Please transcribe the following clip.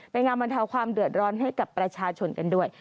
งามบรรเทาความเดือดร้อนให้กับประชาชนกันด้วย